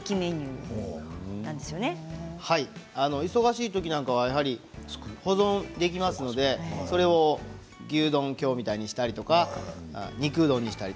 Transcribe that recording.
はい、忙しいときなんかは保存できますのでそれを牛丼にしてみたり肉うどんにしたり。